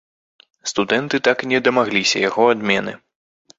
Студэнты так і не дамагліся яго адмены.